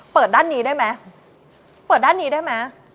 เปิดด้านนี้ได้ไหม